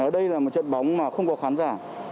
đây là một trận bóng mà không có khán giả